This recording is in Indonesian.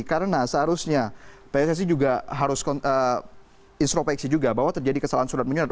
karena seharusnya pssc juga harus instruksi juga bahwa terjadi kesalahan surat menyurat